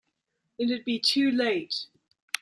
It'd be too late.